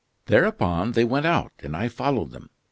"Thereupon they went out, and I followed them.